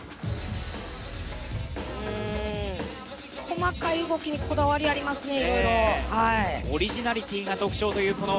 細かい動きにこだわりありますね、いろいろ。